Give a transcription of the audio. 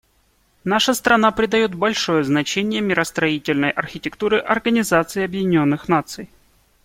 Наша страна придает большое значение миростроительной архитектуре Организации Объединенных Наций.